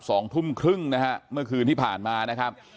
สองทุ่มครึ่งนะฮะเมื่อคืนที่ผ่านมานะครับ